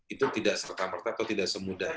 itu tidak serta merta atau tidak semudah